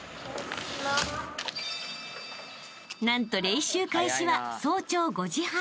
［何と練習開始は早朝５時半］